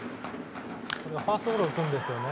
ファーストゴロを打つんですよね。